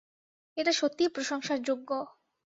এটা সত্যিই প্রশংসার যোগ্য।